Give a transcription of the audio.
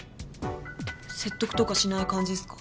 説得とかしない感じですか？